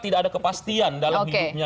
tidak ada kepastian dalam hidupnya